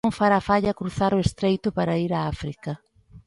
Non fará falla cruzar o Estreito para ir a África.